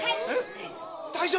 ⁉大丈夫か？